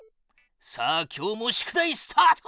さあ今日も宿題スタート！